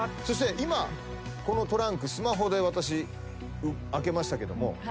そして今このトランクスマホで私開けましたけども。